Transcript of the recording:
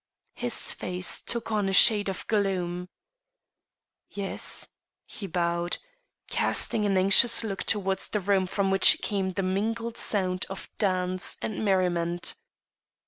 His face took on a shade of gloom. "Yes," he bowed, casting an anxious look towards the room from which came the mingled sounds of dance and merriment.